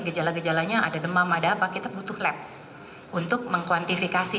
gejala gejalanya ada demam ada apa kita butuh lab untuk mengkuantifikasi